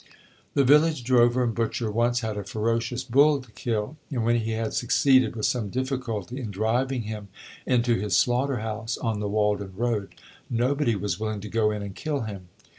The village drover and butcher once had a ferocious bull to kill, and when he had succeeded with some difficulty in driving him into his slaughter house, on the Walden road, nobody was willing to go in and kill him.